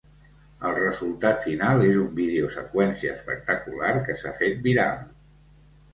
El resultat final és un vídeo seqüència espectacular que s’ha fet viral.